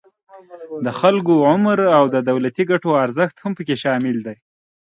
د خلکو عمر او د دولتی ګټو ارزښت هم پکې شامل دي